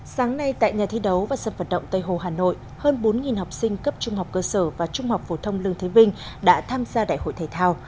sáng nay tại nhà thi đấu và sân phận động tây hồ hà nội hơn bốn học sinh cấp trung học cơ sở và trung học phổ thông lương thế vinh đã tham gia đại hội thể thao